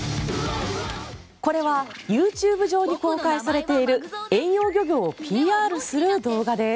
これはＹｏｕＴｕｂｅ上に公開されている遠洋漁業をＰＲする動画です。